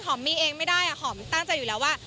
มีเองไม่ได้หอมตั้งใจอยู่แล้วว่า